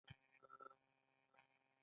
پلار مې په وردګ ولایت کې زیږدلی